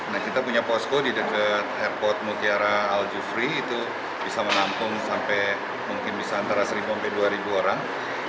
nah kita punya posko di dekat airport mutiara al jufri itu bisa menampung sampai mungkin bisa antara seribu sampai dua orang